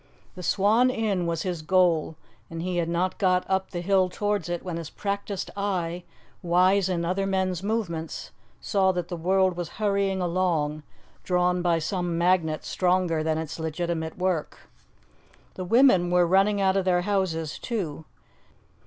The Swan inn was his goal, and he had not got up the hill towards it when his practised eye, wise in other men's movements, saw that the world was hurrying along, drawn by some magnet stronger than its legitimate work. The women were running out of their houses too.